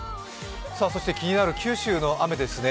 そして気になる九州の雨ですね